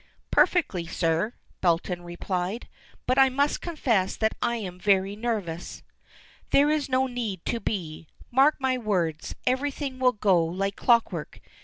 "Perfectly, sir," Belton replied. "But I must confess that I am very nervous." "There is no need to be. Mark my words, everything will go like clockwork.